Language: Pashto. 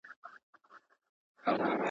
د مالدارو په کورونو په قصرو کي.